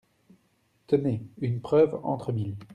Tenez, une preuve entre mille.